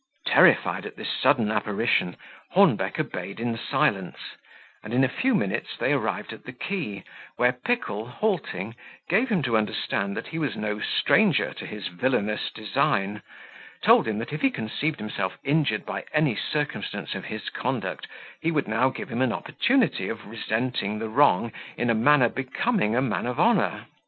Terrified at this sudden apparition, Hornbeck obeyed in silence; and, in a few minutes, they arrived at the quay, where Pickle, halting, gave him to understand that he was no stranger to his villainous design; told him, that if he conceived himself injured by any circumstance of his conduct, he would now give him an opportunity of resenting the wrong in a manner becoming a man of honour.